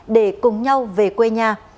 để cùng nhau về quê nhà